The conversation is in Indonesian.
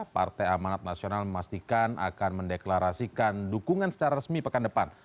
partai amanat nasional memastikan akan mendeklarasikan dukungan secara resmi pekan depan